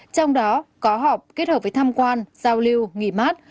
trong đó có họp kết hợp với tham quan giao lưu nghỉ mát